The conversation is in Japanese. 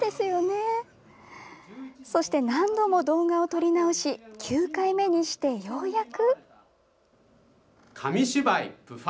そして、何度も動画を撮り直し９回目にして、ようやく。